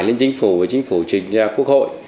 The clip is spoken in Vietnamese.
lên chính phủ và chính phủ trình ra quốc hội